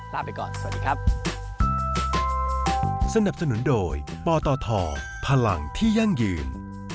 ลาไปก่อนสวัสดีครับ